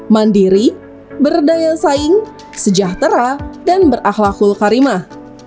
mandiri berdaya saing sejahtera dan berakhlakul karimah